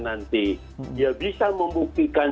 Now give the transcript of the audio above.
nanti dia bisa membuktikan